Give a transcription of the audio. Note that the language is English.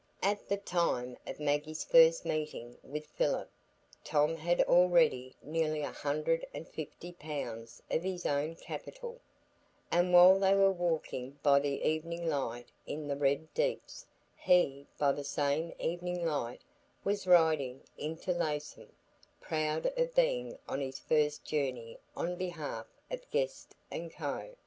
At the time of Maggie's first meeting with Philip, Tom had already nearly a hundred and fifty pounds of his own capital; and while they were walking by the evening light in the Red Deeps, he, by the same evening light, was riding into Laceham, proud of being on his first journey on behalf of Guest & Co.